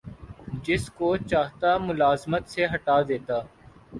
جس کو چاہتا ملازمت سے ہٹا دیتا